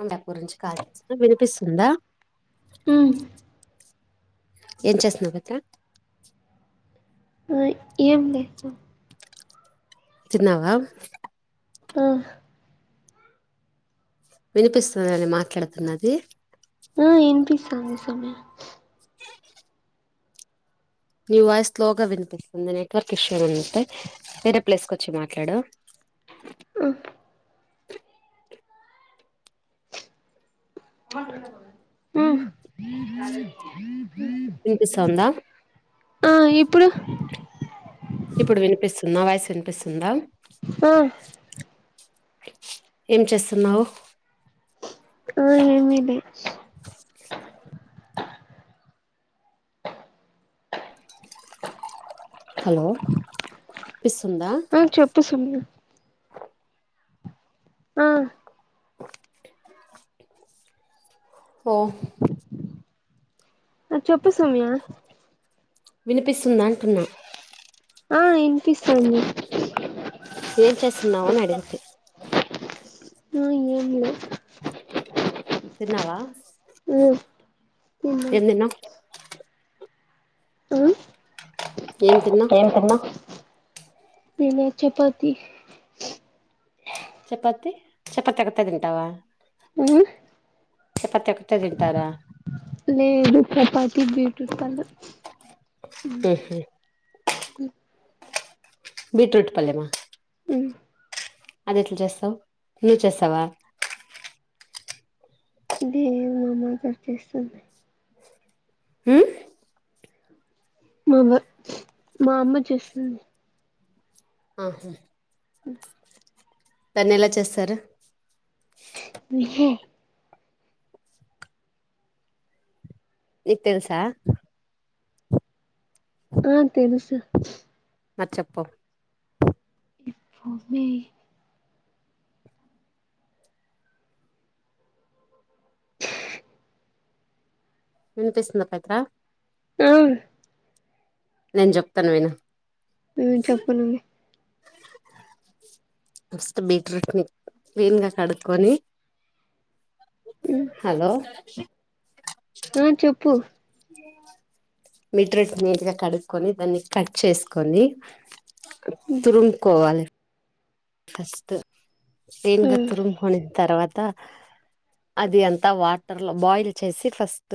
అంట గురించి కాల్ వినిపిస్తుందా? ఉమ్ ఏం చేస్తున్నావ్ గత్త? ఉయ్ ఏం లేెదు. తిన్నావా? ఊహ్ వినిపిస్తుద నేను మాట్లాడుతున్నది. ఉమ్ ఇనిపిస్తుంది సౌమి [inaudible] నీ వాయిస్ స్లోగా వినిపిస్తుంది. నెట్వర్క్ ఇష్యూ ఉంటే వేరే ప్లేస్ కు వచ్చి మాట్లాడు [inaudible] అ ఆ వినిపిస్తోందా ఆ ఇప్పుడు ఇప్పుడు వినిపిస్తుంది నా వాయిస్ వినిపిస్తుందా? ఆ ఏం చేస్తున్నావు? ఆ ఏమిడి హలో వినిపిస్తుందా ఆ చెప్పు సౌమ్య ఆ [inaudible] ఓహ్ ఆ చెప్పు సౌమ్య వినిపిస్తుందా? అంటున్నా ఆ ఇనిపిస్తుంది. ఏం చేస్తున్నావ్ అని అడిగితి ఆ ఏంలే. తిన్నావా? తిన్నా ఏం తిన్నావ్? ఉమ్ ఏం తిన్నావ్ ఏం తిన్నావ్? తినే చపాతి చపాతి చపాతి ఒకటే తింటావా? ఆ చపాతి ఒక్ లేదు చపాతి బీట్ రూట్ పల్లెమ్ ఉహుం ఉమ్ బీట్ రూట్ పల్లెమా ఉమ్ అది ఎట్లా చేస్తవ్ నువ్వు చేస్తావ అది మామ్మగారు చేస్తుంది. హుమ్ మావ్వ మా అమ్మ చేస్తుంది. ఆహుం ఉమ్ దాన్ని ఎలా చేస్తారు? మీ హే నిక్ తెలుసా? ఆ తెలుసు మద్ చ్చెప్పం ఇప్పో మే [unintelligible] ఇనిపిస్తుందా? పయిత్ర ఆ నేను చెప్తను విను ఉమ్ చెప్పనండి. ఫస్ట్ బీట్రూట్ ని క్లీన్ గా కడుక్కకొని ఉమ్ హలో ఆ చెప్పు బిట్రూట్ నీట్గా కడుక్కకొని దాన్ని కట్ చేసుకొని ఉమ్ తురుముకోవాలి ఫస్ట్ పేన్గా ఉమ్ తురుము కోని తర్వాత అ అది అంతా వాటర్ లో బాయిల్ చేసి ఫస్ట్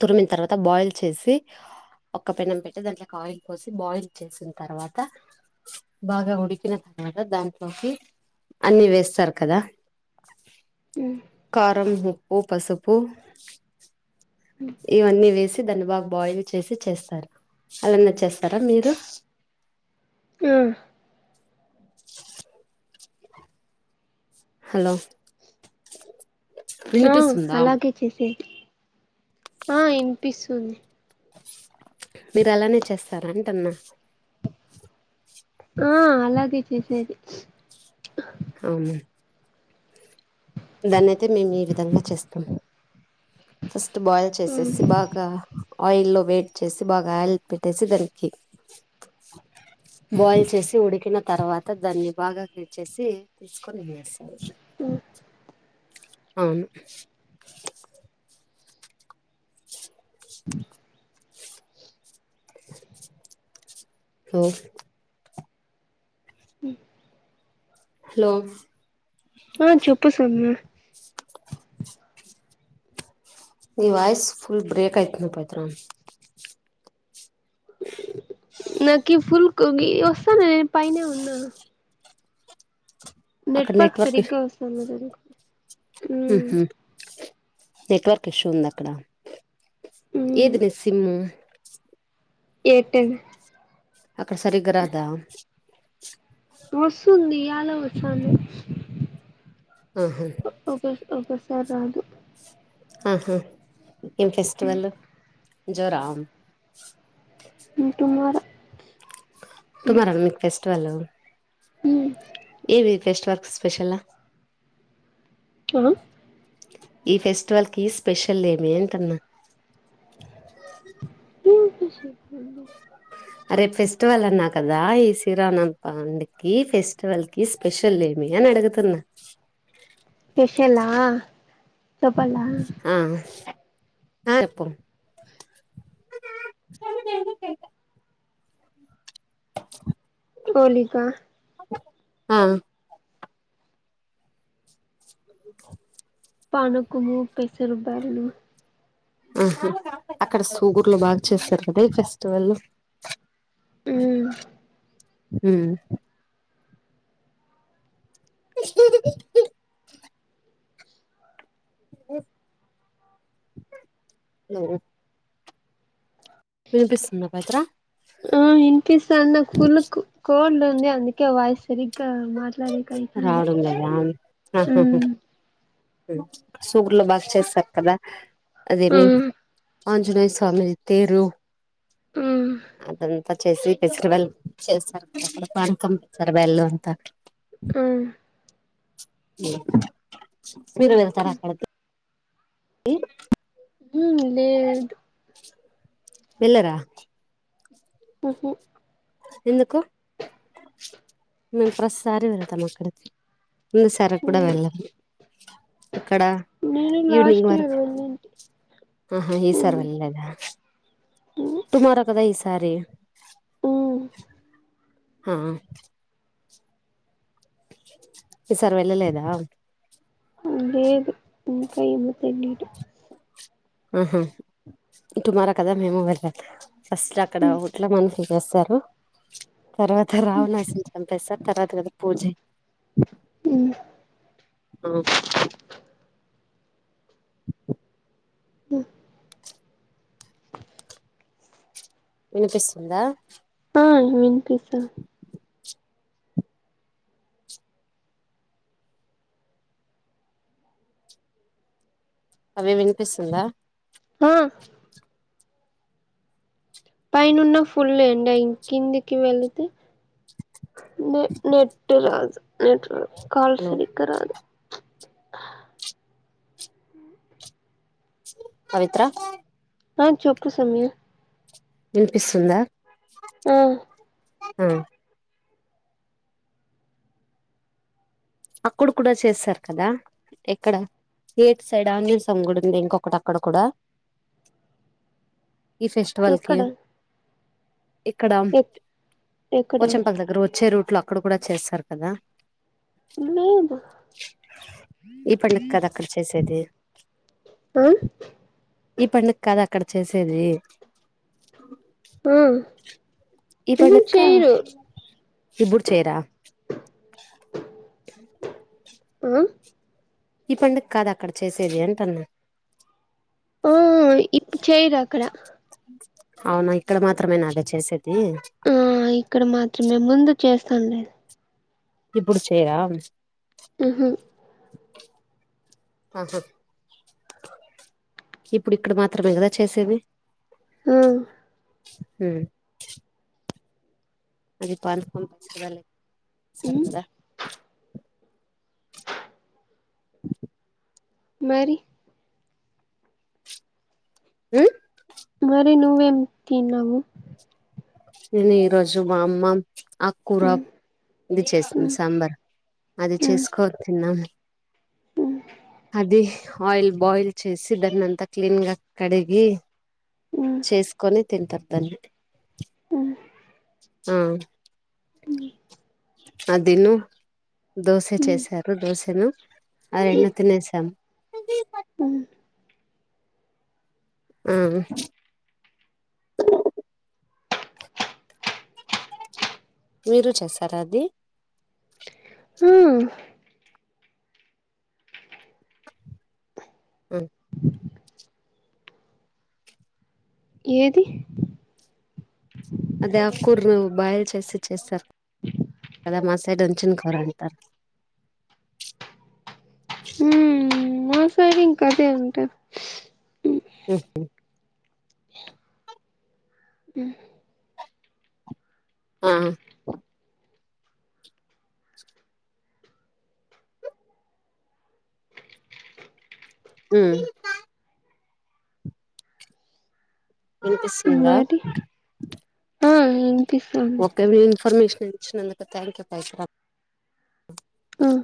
తురిమిన తర్వాత బాయిల్ చేసి ఒక్క పెన్నం పెట్టి దాంట్లోకి ఆయిల్ పోసి బాయిల్ చేసిన తర్వాత బాగా ఉడికి కిన తర్వాత దాంట్లోకి అన్ని వేస్తారు కదా ఉమ్ కారం ఉప్పు పసుపు ఇవన్నీ వేసి దాని బాగ బాయిల్ చేసి చేస్తారు అలానే చేస్తారా మీరు ఆ హలో ఆ వినిపిస్తుందా అలాగే చేసేది ఆ ఇనిపిస్తుంది మీరు అలానే చేస్తార అంటున్నా ఆ అలాగే చేసేది అవునా దాన్ని అయితే మేము ఈ విధంగా చేస్తాం ఫస్ట్ బాయిల్ ఉమ్ చేసేసి బాగా ఆయిల్లో వెడి చేసి బాగా ఆయిల్ పెట్టేసి దానికి బాయిల్ చేసి ఉడికిన తర్వాత దాన్ని బాగా కట్ చేసి తీసుకొని వేస్తాం [unintelligible] ఉమ్ అవును [unintelligible] హ ఉ హలో ఆ చెప్పు సమ్మ మీ వాయిస్ ఫుల్ బ్రేక్ అయితుంది పవిత్ర వస్తే నేను పైనే ఉన్నా అక్కడ నెట్ఫక్ సరిగ్గా వస్తలేదు ఉహు నెట్వర్క్ ఇష్యూ ఉందా అక్కడ ఉమ్ ఏది బె సిమ్ము ఎయిర్టెల్ అక్కడ సరిగ్గా రాదా వస్తుంది ఇయ్యాలా వస్తాంది ఆహా ఒక ఒకసారి రాదు ఆహా ఏం ఫెస్టివల్ జై రామ్ ఇకేం కావాలి టుమారో మీక్ ఫెస్టివల్ హ్మ్ ఏవి వెస్ట్ వల్ వర్క్ స్పెషల్ క్లావన్ ఈ ఫెస్టివల్ కి స్పెషల్ లేమి అంటూన్నా [unintelligible] అరే ఫెస్టివల్ అన్నా కదా ఈ శిరామ పండకి ఫెస్టివల్ కి స్పెషల్ ఏమి ఎవి అడుగుతున్నా షెలా ఆ ఆ ఎప్పుం పోలిక ఆ ఇది పనుకుము పిసురుపాయును ఆహా అక్కడ సూగుర్లో బాగా చేస్తారు కదా ఈ ఫెస్టివల్ ఊ ఉ [inaudible] ఇప్ నో వినిపిస్తుంద బేతం ఆ ఈనిపిస్తాంది నాకు ఫుల్ కో కోల్డ్ ఉంది అందుకే వయస్సు సరిగ్గా మాట రావడం లేదా అహ్హ్ మ్మ్ సూగుర్లో బాగా చేస్తారు కదా అదేమి మ్మ్ ఆంజినేయస్వామిది తేరు మ్మ్ అతన్ అంత చేసి ఫస్టివల్ చేస్తారు కదా పానకం సర బెల్ అంత అ మీరు వెళ్తారా అక్కడికి ఏ ఉ లేదు వెళ్లరా ఉహ ఎందుకు మేము ప్రతిసారి వెళతాం అక్కడికి ముందు సారి కూడా మ్మ్ వెళ్ళాం ఇక్కడ నేను ఈవినింగ్ లాస్ట్ ఇయర్ వరకు వెళ్ళింటి ఆహా ఈ సారి మ్మ్ వెళ్ళలేదా టుమారో కదా ఈసారి ఊ ఆ ఈసారి వెళ్ళలేదా? అ లేదు ఇంకా ఇవి పెట్టింటే ఆహా టుమారో కదా మేము వెళ్ళాలి ఫస్ట్ అక్కడ మ్మ్ ఒట్లా మన ఇతేసారు తర్వాత రావణాసిని చంపెస్తారు తర్వాత కదా పూజె ఉమ్ ఆ ఉ వినిపిస్తుందా ఆ వినిపిస్త అవే వినిపిస్తుందా ఆ పైనన్న ఫుల్ ఎండ ఇం కిందికి వెళితే నె నెట్ రాదు నెట్ కాల్ నువ్వు సరిగ్గ రాదు హ పవిత్ర ఆ చెప్పు సమ్య వినిపిస్తుందా ఆ ఆ అక్కడు కూడా చేసారు కదా ఎక్కడ ఏట్ సైడ్ ఆంజినేయస్వామి గుడి ఉంది ఇంకొకటి అక్కడ కూడా ఈ ఫెస్టివల్కి ఎక్కడ ఇక్కడ ఎ ఎక్కడ పోచంపల్లి దగ్గర వచ్చే రూట్లో అక్కడ కూడా చేస్తార్ కదా లేదు ఈ పండగ్ కాద్ అక్కడ చేసేది. ఆ ఈ పండగ కాద్ అక్కడ చేసేది. ఆ ఈ ఉహు పండక్క చేయరు ఇప్పుడ్ చేయరా ఆ ఈ పండగ కాద అక్కడ చేసేది అంటన్న ఆ ఇప్ చేయర్ అక్కడ అవునా ఇక్కడ మాత్రమేనా అలా చేసే ఆ ఇక్కడ మాత్రమే ముందు చేస్తుండే ఇప్పుడు చేయరా మ్ హ్ అహ ఇప్పుడు ఇక్కడ మాత్రమే గదా చేసేది. ఆ హ్ అది ఉమ్ [unintelligible] మరి మ్ మరి నువ్వేం తిన్నవు. నేన్ ఈ రోజు బామ్మం ఆక్కూర ఉమ్ ఇది చేసిం ఉమ్ సాంబార్ అది చేస్కో తిన్నా ఉమ్ అది ఆయిల్ బాయిల్ చేసి దాన్ని అంతా క్లీన్గా కడిగి ఉమ్ చేస్కొని తింటర్ దాన్ని ఉమ్ ఆ అది ను దోశ ఉమ్ చేసారు దోశను ఆ రెండు తినేసాం. అ ఆ మీరు చేసారా అది హా అ ఏది అదా ఆ కుర్రు బాయిల్ చేసి చేస్తార్ కాదా మా సైడ్ [inaudible] అంటారు హ్మ్ మా సైడు ఇంకా అదే ఉంటారు హు ఆ మ్ ఇన్పిస్తుందా మరి ఆ వినిపిస్తుంది ఓకే మీ ఇన్ఫర్మేషన్ ఇచ్చినందుకు థ్యాంక్ యూ [inaudible] ఆ